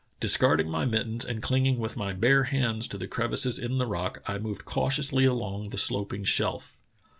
Discarding my mittens and clinging with my bare hands to the crevices in the rock, I moved cautiously along the sloping shelf.